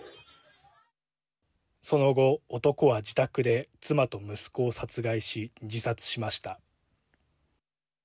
その後男は自宅で妻と息子を殺害し自殺しました。